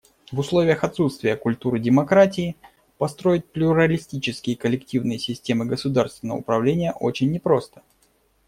В условиях отсутствия культуры демократии построить плюралистические коллективные системы государственного управления очень не просто.